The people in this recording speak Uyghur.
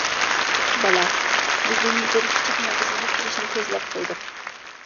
بالا:-بۈگۈن بىر كىچىك ماگىزىنغا كىرىشىنى كۆزلەپ قويدۇق.